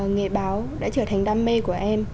nghề báo đã trở thành đam mê của em